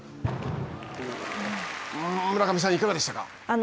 村上さん、いかがでしたか。